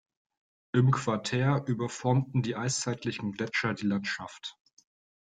Im Quartär überformten die eiszeitlichen Gletscher die Landschaft.